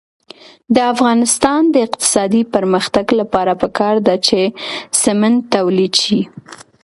د افغانستان د اقتصادي پرمختګ لپاره پکار ده چې سمنټ تولید شي.